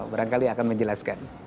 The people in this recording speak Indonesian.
barangkali akan menjelaskan